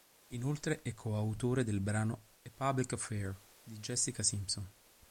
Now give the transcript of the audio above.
Inoltre è coautore del brano "A Public Affair" di Jessica Simpson.